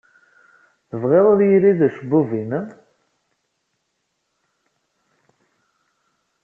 Tebɣid ad yirid ucebbub-nnem?